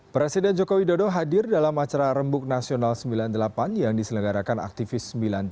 presiden joko widodo hadir dalam acara rembuk nasional sembilan puluh delapan yang diselenggarakan aktivis sembilan puluh delapan